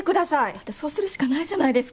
だってそうするしかないじゃないですか。